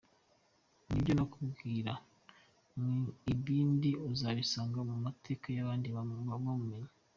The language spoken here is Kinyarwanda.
Ni byo nakubwira, ibindi uzabisanga mu mateka y’abandi bamumenye.